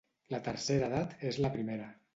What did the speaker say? La tercera edat és la primera.